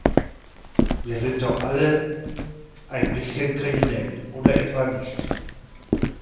Wir sind doch alle ein bisschen kriminell, oder etwa nicht?